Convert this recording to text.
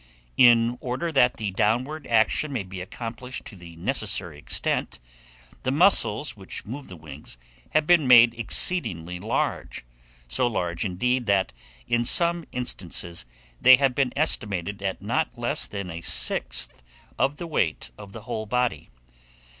In order that the downward action may be accomplished to the necessary extent, the muscles which move the wings have been made exceedingly large; so large, indeed, that, in some instances, they have been estimated at not less than a sixth of the weight of the whole body.